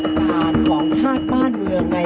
สถานของชาติบ้านเมืองในขณะนี้